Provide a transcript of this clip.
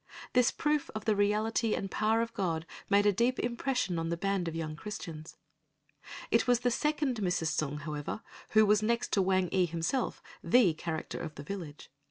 This proof of the reality and power of God made a deep impression on the band of young Christians. It was the second Mrs. Sung, however, who was next to Wang ee himself, the character of the village.